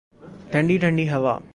ٹھنڈی ٹھنڈی ہوا